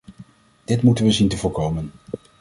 Dit moeten we zien te voorkomen.